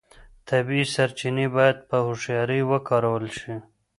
طبیعي سرچینې باید په هوښیارۍ وکارول شي.